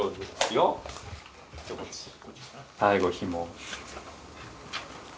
最後ひも。